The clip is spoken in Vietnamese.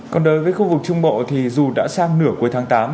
còn đối với khu vực trung bộ thì dù đã sang nửa cuối tháng tám